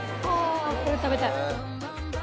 「これ食べたい」